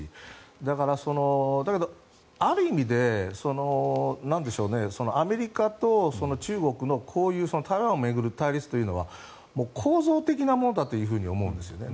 だけど、ある意味でアメリカと中国のこういう台湾を巡る対立というのは構造的なものだと思うんですよね。